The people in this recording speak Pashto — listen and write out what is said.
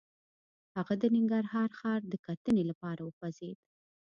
هغه د ننګرهار ښار د کتنې لپاره وخوځېد.